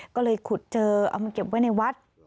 ก็เลยขุดเจอเอามาเก็บไว้ในวัด